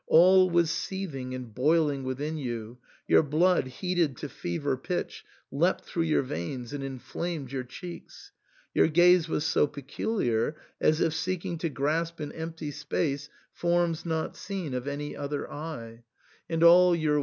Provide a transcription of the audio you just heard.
All was seething and boil ing within you ; your blood, heated to fever pitch, leapt through your veins and inflamed your cheeks. Your gaze was so peculiar, as if seeking to grasp in empty space forms not seen of any other eye, and all your i86 THE SAND'MAir.